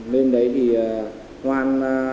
lên đấy thì hoan